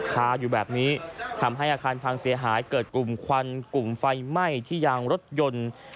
คาอยู่แบบนี้ทำให้อาคารพังเสียหายเกิดกลุ่มควันกลุ่มไฟไหม้ที่ยางรถยนต์